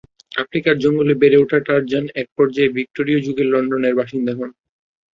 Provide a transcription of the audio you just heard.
আফ্রিকার জঙ্গলে বেড়ে ওঠা টারজান একপর্যায়ে ভিক্টোরীয় যুগের লন্ডনের বাসিন্দা হন।